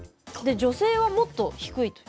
女性はもっと低いと。